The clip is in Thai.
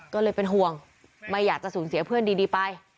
ก็เลยเป็นห่วงไม่อยากจะสูญเสียเพื่อนดีไป